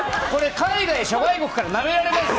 海外、諸外国から、なめられますよ。